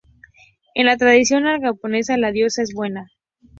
En la tradición aragonesa la diosa es buena.